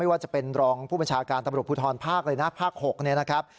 ว่าจะเป็นรองผู้บัญชาการตำรวจภูทรภาคเลยนะภาค๖เนี่ยนะครับ